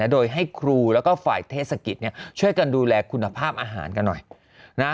โดยให้ครูแล้วก็ฝ่ายเทศกิจช่วยกันดูแลคุณภาพอาหารกันหน่อยนะ